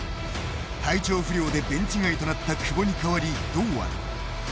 体調不良でベンチ外となった久保に代わり堂安。